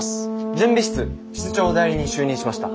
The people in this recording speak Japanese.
準備室室長代理に就任しました。